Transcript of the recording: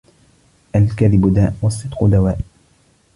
الكذب داء والصدق دواء